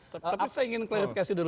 tapi saya ingin klarifikasi dulu